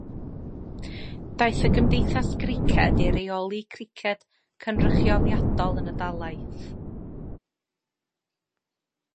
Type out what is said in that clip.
Daeth y Gymdeithas Griced i reoli Criced cynrychioliadol yn y Dalaith.